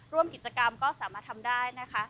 ร่วมกิจกรรมก็สามารถทำได้นะคะ